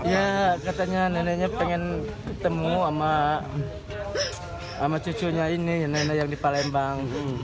ya katanya neneknya pengen ketemu sama cucunya ini nenek nenek yang di palembang